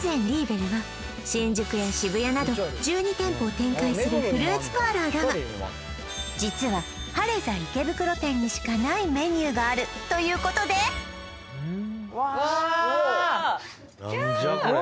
リーベルは新宿や渋谷などするフルーツパーラーだが実はハレザ池袋店にしかないメニューがあるということでわっ！